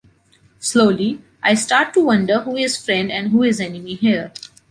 Slowly, I start to wonder who is friend and who is enemy here.